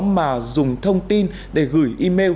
mà dùng thông tin để gửi email